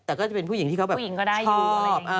แต่ก็จะเป็นผู้หญิงที่เขาแบบชอบ